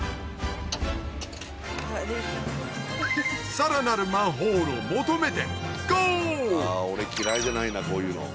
さらなるマンホールを求めてゴー俺嫌いじゃないなこういうの。